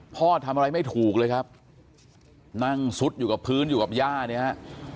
พ่อทำอะไรไม่ถูกเลยครับนั่งซุดอยู่กับพื้นอยู่กับย่าเนี่ยฮะ